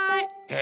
え！